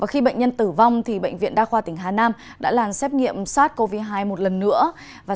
khi bệnh nhân tử vong bệnh viện đa khoa tỉnh hà nam đã làm xét nghiệm sars cov hai một lần nữa